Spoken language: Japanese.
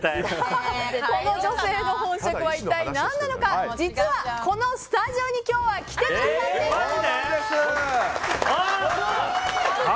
この女性の本職は一体何なのか、実はスタジオに今日は来てくださっています。